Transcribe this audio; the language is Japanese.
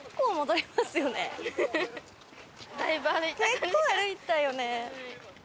結構歩いたよね。